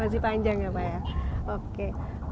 masih panjang ya pak ya oke